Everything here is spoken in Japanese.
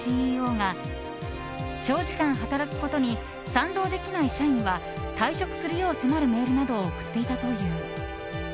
ＣＥＯが長時間働くことに賛同できない社員は退職するよう迫るメールなどを送っていたという。